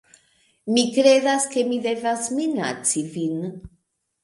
Mi kredas, ke mi devas minaci vin